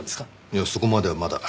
いやそこまではまだ。